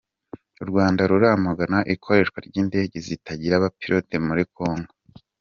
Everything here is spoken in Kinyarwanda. U Rwanda ruramagana ikoreshwa ry’indege zitagira abapilote muri kongo